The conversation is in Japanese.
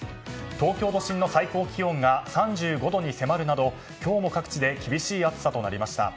東京都心の最高気温が３５度に迫るなど今日も各地で厳しい暑さとなりました。